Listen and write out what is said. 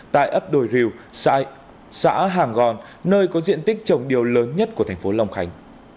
tại ấp đồi rìu xã hàng gòn nơi có diện tích trồng điều lớn nhất của thành phố long khánh